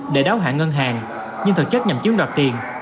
để đáo hạn ngân hàng nhưng thực chất nhằm chiếm đoạt tiền